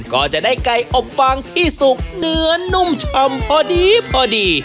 ก็จะได้ไก่อบฟางที่สุกเนื้อนุ่มชำพอดีพอดี